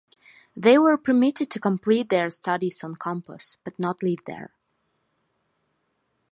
They were permitted to complete their studies on-campus, but not live there.